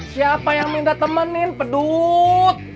siapa yang minta temenin pedut